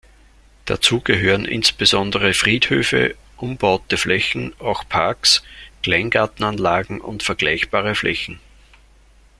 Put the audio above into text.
Dazu gehören insbesondere Friedhöfe, umbaute Flächen, auch Parks, Kleingartenanlagen und vergleichbare Flächen.